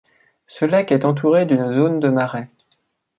Ce lac est entouré d’une zone de marais.